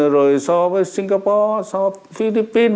rồi so với singapore so với philippines